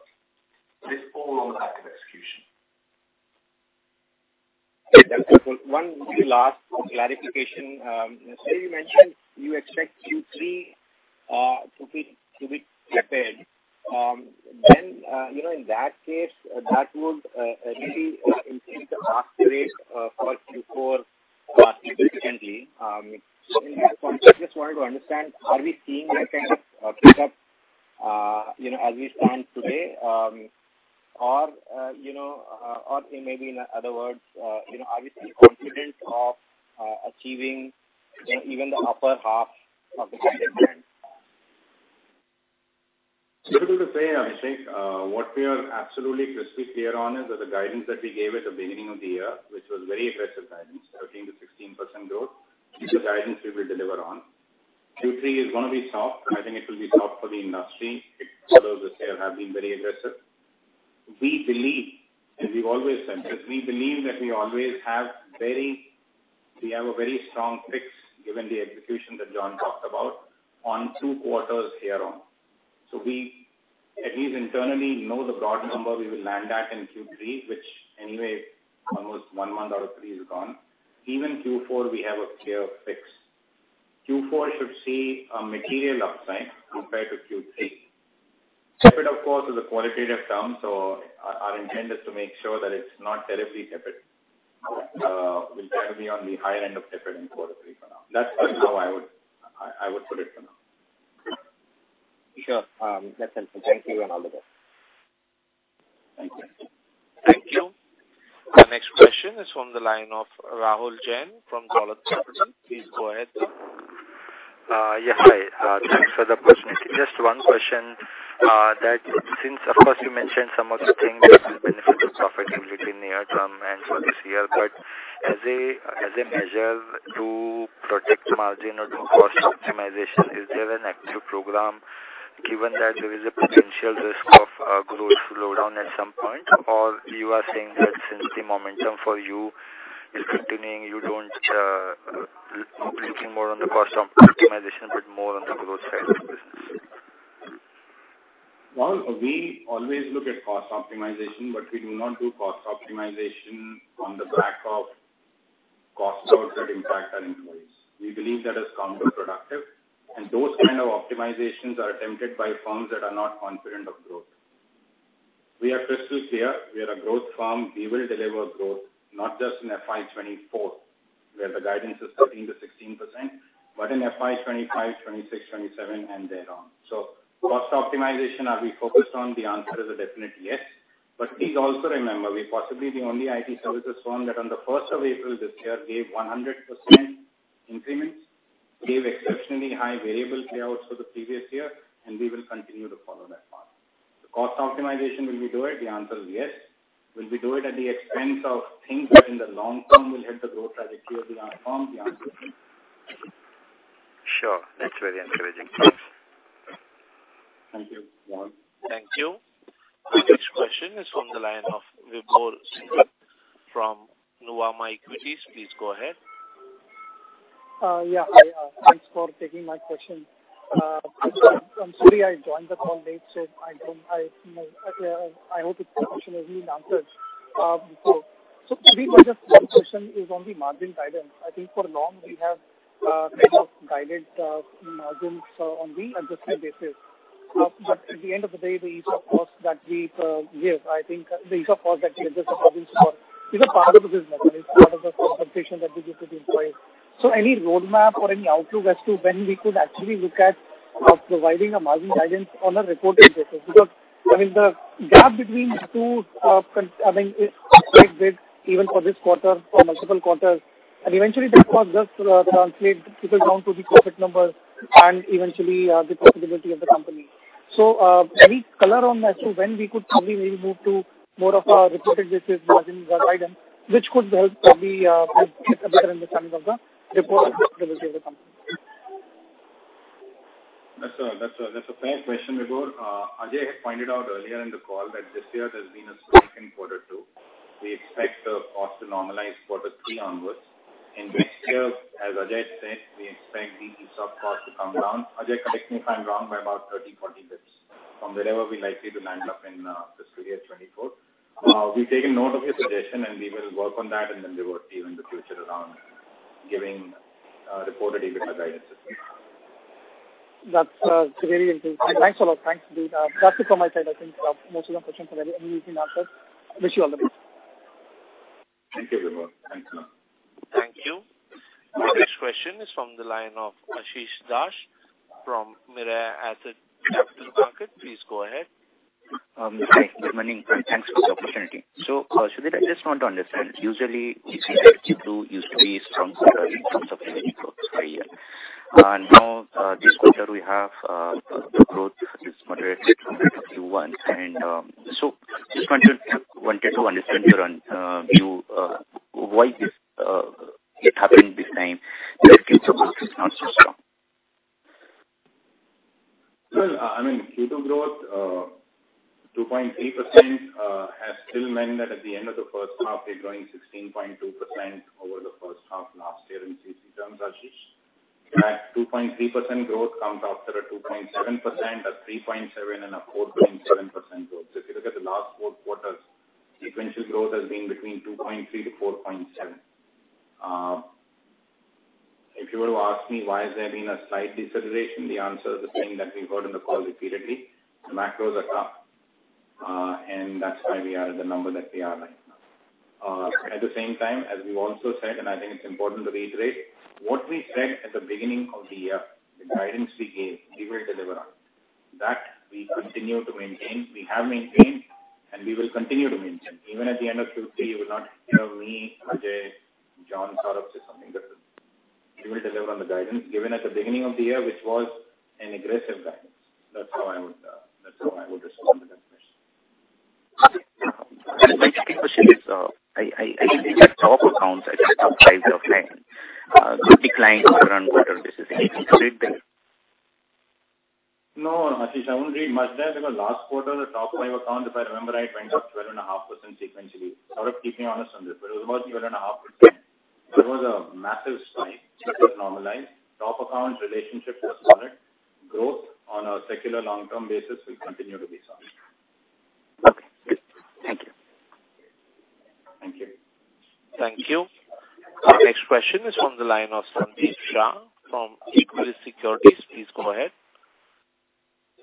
But it's all on the back of execution. One last clarification. So you mentioned you expect Q3 to be tepid. Then, you know, in that case, that would really increase the ask rate for Q4 significantly. I just wanted to understand, are we seeing that kind of pick up, you know, as we stand today? Or, you know, or maybe in other words, you know, are we still confident of achieving even the upper half of the guidance? So to say, I think, what we are absolutely crystal clear on is that the guidance that we gave at the beginning of the year, which was very aggressive guidance, 13%-16% growth, is the guidance we will deliver on. Q3 is gonna be soft, and I think it will be soft for the industry. It... others this year have been very aggressive. We believe, and we've always said this, we believe that we always have very-- we have a very strong fix, given the execution that John talked about, on two quarters here on. So we at least internally know the broad number we will land at in Q3, which anyway, almost one month out of three is gone. Even Q4, we have a clear fix. Q4 should see a material upside compared to Q3. Tepid, of course, is a qualitative term, so our intent is to make sure that it's not terribly tepid. We'll try to be on the higher end of tepid in quarter three for now. That's how I would put it for now. Sure. That's helpful. Thank you, and all the best. Thank you. Thank you. Our next question is from the line of Rahul Jain from Dolat Securities. Please go ahead.... Yeah, hi. Thanks for the opportunity. Just one question, that since, of course, you mentioned some of the things that will benefit the profitability near term and for this year. But as a, as a measure to protect margin or to cost optimization, is there an active program, given that there is a potential risk of growth slowdown at some point? Or you are saying that since the momentum for you is continuing, you don't focusing more on the cost optimization, but more on the growth side of the business? Well, we always look at cost optimization, but we do not do cost optimization on the back of cost cuts that impact our employees. We believe that is counterproductive, and those kind of optimizations are attempted by firms that are not confident of growth. We are crystal clear, we are a growth firm. We will deliver growth, not just in FY 2024, where the guidance is 13%-16%, but in FY 2025, 2026, 2027, and then on. So cost optimization, are we focused on? The answer is a definite yes. But please also remember, we're possibly the only IT services firm that on the first of April this year gave 100% increments, gave exceptionally high variable payouts for the previous year, and we will continue to follow that path. The cost optimization, will we do it? The answer is yes. Will we do it at the expense of things that in the long term will help the growth trajectory of the firm? The answer is no. Sure. That's very encouraging. Thanks. Thank you, John. Thank you. The next question is from the line of Vibhor Singhal from Nuvama Equities. Please go ahead. Yeah, hi. Thanks for taking my question. I'm sorry, I joined the call late, so I don't... I hope the question has been answered. So just one question is on the margin guidance. I think for long, we have kind of guided margins on the adjusted basis. But at the end of the day, the ESOP cost that we give, I think the ESOP cost that we give is a part of the business model. It's part of the compensation that we give to the employees. So any roadmap or any outlook as to when we could actually look at providing a margin guidance on a reported basis? Because, I mean, the gap between two, I think, expected even for this quarter, for multiple quarters, and eventually that was just, translate people down to the profit numbers and eventually, the profitability of the company. So, any color on as to when we could probably move to more of a reported basis margin guidance, which could help probably, get a better understanding of the report of the company? That's a fair question, Vibhor. Ajay had pointed out earlier in the call that this year there's been a spike in quarter two. We expect the cost to normalize quarter three onwards. Next year, as Ajay said, we expect the ESOP cost to come down. Ajay, correct me if I'm wrong, by about 30-40 basis points, from wherever we likely to land up in fiscal year 2024. We've taken note of your suggestion, and we will work on that, and then we will see you in the future around giving reported EBITDA guidance. That's very interesting. Thanks a lot. Thanks, dude. That's it from my side. I think most of the questions have been answered. I wish you all the best. Thank you, Vibhor. Thanks a lot. Thank you. The next question is from the line of Ashish Dash from Mirae Asset Capital Markets. Please go ahead. Hi, good morning, and thanks for this opportunity. So, Sudhir, I just want to understand. Usually, you see that Q2 used to be stronger in terms of revenue growth per year. And now, this quarter we have, the growth is moderated from Q1. And, so just wanted to understand your view, why it happened this time, that Q2 growth is not so strong? Well, I mean, Q2 growth, 2.3%, has still meant that at the end of the first half, we're growing 16.2% over the first half last year in CC terms, Ashish. That 2.3% growth comes after a 2.7%, a 3.7%, and a 4.7% growth. So if you look at the last four quarters, sequential growth has been between 2.3%-4.7%. If you were to ask me why is there been a slight deceleration, the answer is the same that we've heard in the call repeatedly. The macros are tough, and that's why we are at the number that we are right now. At the same time, as we've also said, and I think it's important to reiterate, what we said at the beginning of the year, the guidance we gave, we will deliver on. That we continue to maintain. We have maintained, and we will continue to maintain. Even at the end of Q3, you will not hear me, Ajay, John, Saurabh say something different. We will deliver on the guidance given at the beginning of the year, which was an aggressive guidance. That's how I would, that's how I would respond to that question. My second question is, I look at top accounts, I just reprice your client, the decline quarter-on-quarter basis. Is it correct there? No, Ashish, I wouldn't read much there, because last quarter, the top five accounts, if I remember right, went up 12.5% sequentially. Saurabh, keep me honest on this, but it was about 12.5%. There was a massive spike. That was normalized. Top accounts, relationships are solid. Growth on a secular long-term basis will continue to be solid. Okay, great. Thank you. Thank you. Thank you. Our next question is from the line of Sandeep Shah from Equirus Securities. Please go ahead.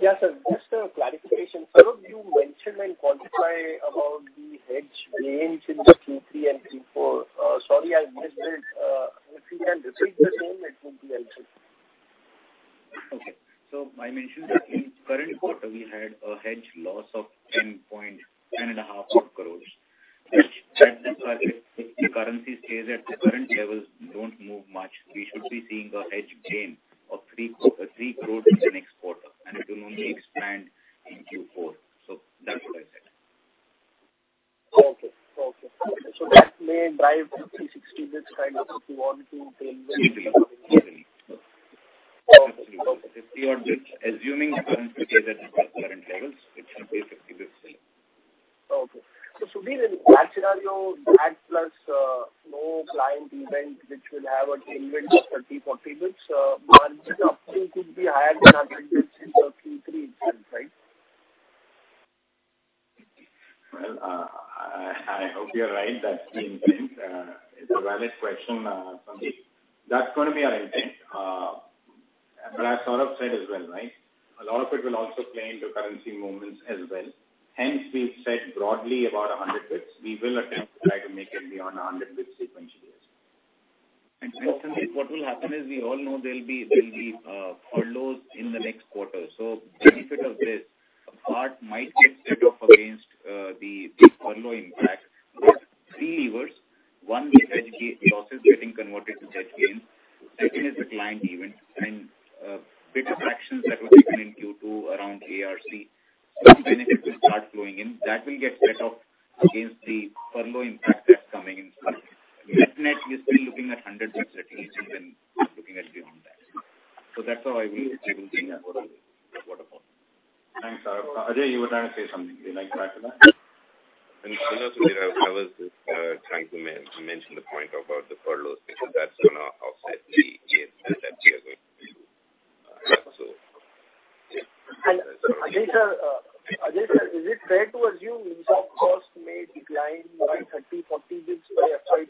Yes, sir. Just a clarification. Sir, you mentioned and quantify about the hedge gains in the Q3 and Q4. Sorry, I missed it. If you can repeat the same, it would be helpful.... Okay. So I mentioned that in current quarter, we had a hedge loss of 10.5 crores. Which, at the current, if the currency stays at the current levels, don't move much, we should be seeing a hedge gain of 3 crores in the next quarter, and it will only expand in Q4. So that's what I said. Okay. Okay. So that may drive the 30-40 bps kind of if you want to build it? Absolutely. Absolutely. Okay. 50 odd bps, assuming the currency stays at the current levels, it should be 50 bps still. Okay. So Sudhir, in that scenario, that plus no client event, which will have a tailwind of 30-40 basis points, margin actually could be higher than our guidance in the Q3, right? Well, I hope you're right. That's the intent. It's a valid question, Sandeep. That's going to be our intent. But as Saurabh said as well, right? A lot of it will also play into currency movements as well. Hence, we've said broadly about 100 basis points. We will attempt to try to make it beyond 100 basis points sequentially. And Sandeep, what will happen is we all know there'll be furloughs in the next quarter. So benefit of this, a part might get set off against the furlough impact. Three levers. One, the hedge losses getting converted to hedge gains. Second is the client event, and bit of actions that were taken in Q2 around ARC. Some benefits will start flowing in. That will get set off against the furlough impact that's coming in. Net-net, we're still looking at 100 bps at least, and then looking at beyond that. So that's how I will think about it, quarter four. Thanks, Saurabh. Ajay, you were trying to say something. Would you like to add to that? Hello, Sudhir, I was just trying to mention the point about the furloughs, because that's gonna offset the gains that we are going to do. So, yeah. Ajay, sir, is it fair to assume ESOP costs may decline by 30-40 basis points by FY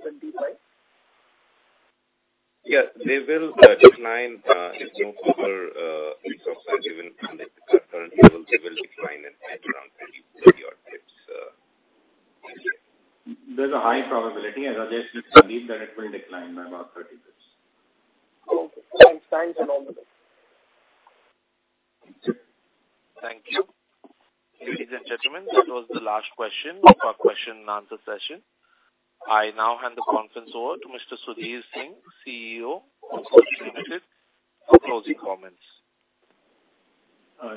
2025? Yes, they will decline if no further inputs are given. At current levels, they will decline at around 30, 30-odd basis points. There's a high probability, as Ajay said, Sandeep, that it will decline by about 30 basis points. Okay. Thanks. Thanks a lot. Thank you. Ladies and gentlemen, that was the last question of our question and answer session. I now hand the conference over to Mr. Sudhir Singh, CEO of Coforge Limited, for closing comments.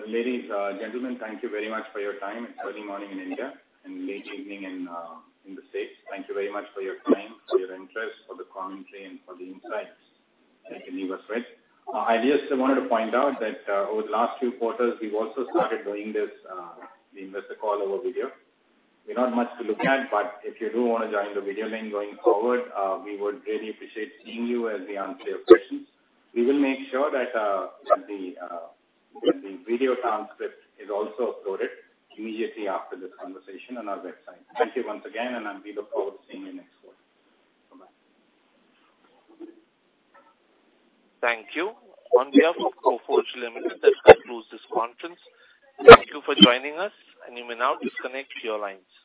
Ladies, gentlemen, thank you very much for your time. It's early morning in India and late evening in the States. Thank you very much for your time, for your interest, for the commentary and for the insights that you give us, right? I just wanted to point out that, over the last few quarters, we've also started doing this, the investor call over video. We're not much to look at, but if you do want to join the video link going forward, we would really appreciate seeing you as we answer your questions. We will make sure that, the video transcript is also uploaded immediately after the conversation on our website. Thank you once again, and I'll be looking forward to seeing you next quarter. Bye-bye. Thank you. On behalf of Coforge Limited, let's conclude this conference. Thank you for joining us, and you may now disconnect your lines.